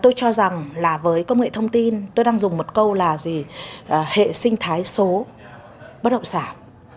tôi cho rằng là với công nghệ thông tin tôi đang dùng một câu là gì hệ sinh thái số bất động sản